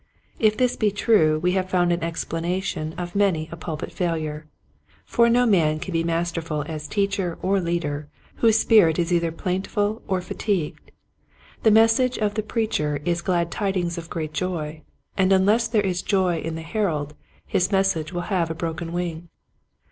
If this be true we have found an explanation of many a pulpit failure. For no man can be masterful as teacher or leader whose spirit is either plaintful or fatigued. The message of the preacher is glad tidings of great joy, and unless there is joy in the herald his message will have a broken wing.